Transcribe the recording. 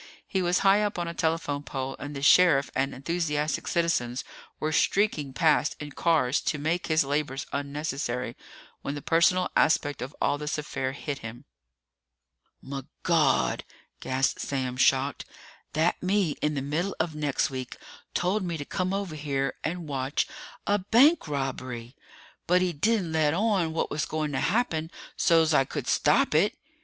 He was high up on a telephone pole and the sheriff and enthusiastic citizens were streaking past in cars to make his labors unnecessary, when the personal aspect of all this affair hit him. "Migawd!" gasped Sam, shocked. "That me in the middle of next week told me to come over here and watch a bank robbery! But he didn't let on what was going to happen so's I could stop it!"